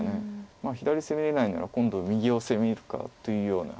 左攻めれないなら今度は右を攻めるかというような。